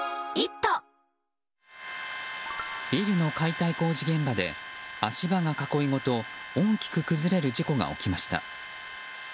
ビルの解体工事現場で足場が囲いごと大きく崩れる事故が起きました。